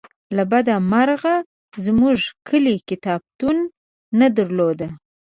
له بده مرغه زمونږ کلي کتابتون نه درلوده